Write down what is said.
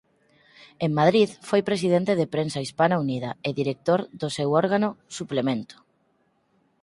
En Madrid foi presidente de Prensa Hispana Unida e director do seu órgano "Suplemento".